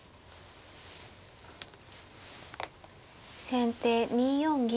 先手２四銀。